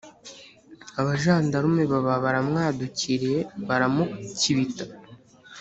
abajandarume baba baramwadukiriye baramukibita.